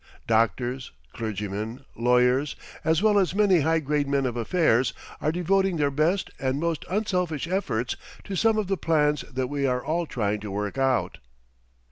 Doctors, clergymen, lawyers, as well as many high grade men of affairs, are devoting their best and most unselfish efforts to some of the plans that we are all trying to work out.